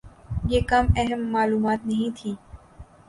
یہ کم اہم معلومات نہیں تھیں۔